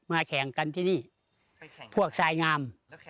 แข่งกันที่นี่พวกสายงาม